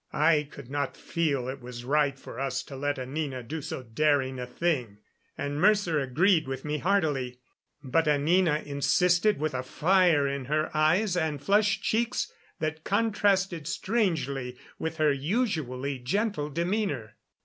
I could not feel it was right for us to let Anina do so daring a thing, and Mercer agreed with me heartily. But Anina insisted, with a fire in her eyes and flushed cheeks that contrasted strangely with her usually gentle demeanor.